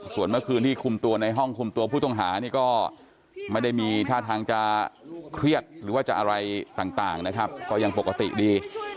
ส่วนเมื่อคืนที่คุมตัวในห้องคุมตัวผู้ต้องหานี่ก็ไม่ได้มีท่าทางจะเครียดหรือว่าจะอะไรต่างนะครับก็ยังปกติดี